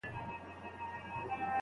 تا ورته وويل چي فکر به وکړو؟